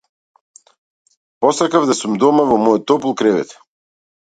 Посакав да сум дома во мојот топол кревет.